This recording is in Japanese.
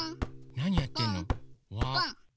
なにやってんの？